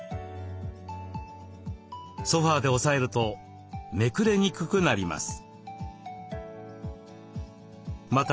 ソファーで押さえるとめくれにくくなります。